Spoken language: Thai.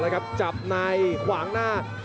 แล้วครับจับในขวางหน้า